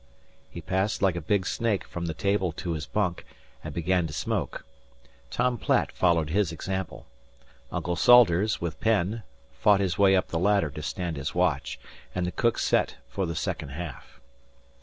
He passed like a big snake from the table to his bunk, and began to smoke. Tom Platt followed his example; Uncle Salters, with Penn, fought his way up the ladder to stand his watch, and the cook set for the "second half."